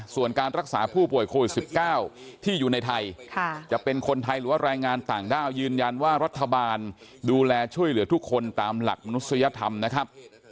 ส่วนการรักษาผู้ป่วยโควิด๑๙ที่อยู่ในไทยจะเป็นคนไทยหรือว่าแรงงานต่างด้าวยืนยันว่ารัฐบาลดูแลช่วยเหลือทุกคนตามหลักมนุษยธรรมนะครับ